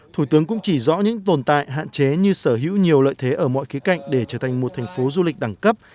thủ tướng cũng chỉ rõ những tồn tại hạn chế như sở hữu nhiều lợi thế ở mọi khía cạnh để trở thành một thành phố du lịch đẳng cấp